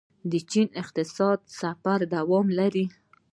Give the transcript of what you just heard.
د چین اقتصادي سفر دوام لري.